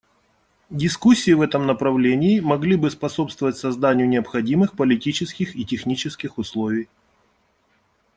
Дискуссии в этом направлении могли бы способствовать созданию необходимых политических и технических условий.